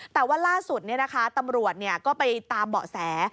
แต่ว่าล่าสุดตำรวจก็ไปตามเบาะแส